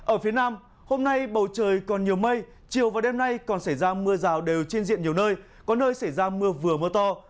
ở phía nam hôm nay bầu trời còn nhiều mây chiều và đêm nay còn xảy ra mưa rào đều trên diện nhiều nơi có nơi xảy ra mưa vừa mưa to